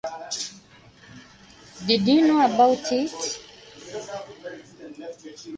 Furthermore, once a ground is identified as analogous it remains analogous for all circumstances.